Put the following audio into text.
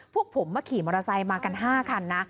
พวกผมมาขี่มอเตอร์ไซค์มากัน๕คันนะ